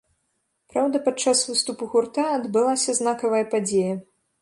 Праўда, падчас выступу гурта адбылася знакавая падзея.